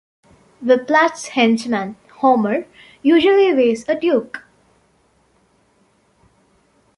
Whiplash's henchman, Homer, usually wears a tuque.